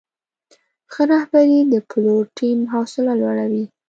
ښه رهبري د پلور ټیم حوصله لوړوي.